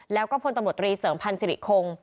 แล้วก็พลตำรวจตรีเสริมพันธ์สิริคง